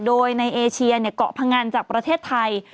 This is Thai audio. โดยในเอเชียเกาะพงันจากประเทศไทย